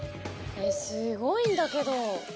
・すごいんだけど。